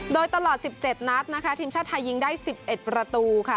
โดยตลอดสิบเจ็ดนัดนะคะทีมชาวไทยยิงได้สิบเอ็ดประตูค่ะ